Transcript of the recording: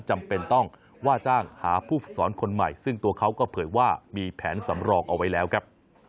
จำเป็นต้องว่าจ้างหาผู้ฝึกสอนคนใหม่ซึ่งตัวเขาก็เผยว่ามีแผนสำรองเอาไว้แล้วครับ